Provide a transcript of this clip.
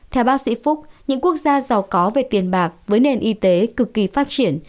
theo bác sĩ phúc những quốc gia giàu có về tiền bạc với nền y tế cực kỳ phát triển